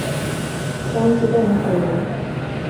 张之洞后人。